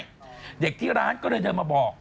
พูดภาษาไทยไม่ได้เด็กที่ร้านก็เลยเดินมาบอก